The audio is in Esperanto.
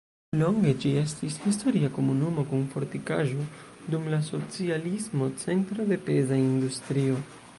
Longe ĝi estis historia komunumo kun fortikaĵo, dum la socialismo centro de peza industrio.